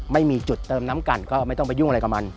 ไม่มีจุดเติมน้ำกันก็ไม่ต้องไปยุ่งอะไรกับมัน